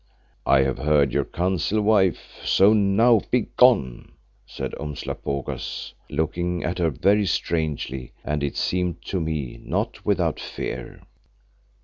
"I have heard your counsel, Wife, so now begone!" said Umslopogaas, looking at her very strangely, and it seemed to me not without fear.